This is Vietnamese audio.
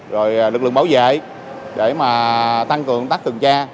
rồi lực lượng bảo vệ để mà tăng cường tác cường tra